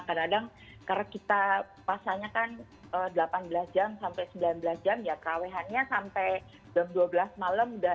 kadang kadang karena kita pasannya kan delapan belas jam sampai sembilan belas jam ya kerahwehannya sampai dua belas malam